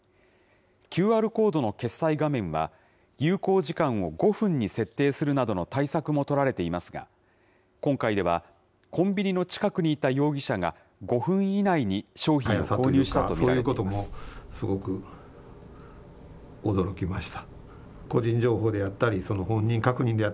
ＱＲコードの決済画面は、有効時間を５分に設定するなどの対策も取られていますが、今回では、コンビニの近くにいた容疑者が５分以内に商品を購入したと見られています。